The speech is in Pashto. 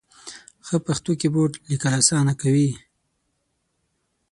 ښه پښتو کېبورډ ، لیکل اسانه کوي.